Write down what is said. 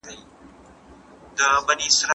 حقایق تل د موندلو وړ وي.